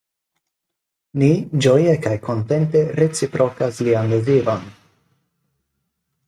Ni ĝoje kaj kontente reciprokas lian deziron.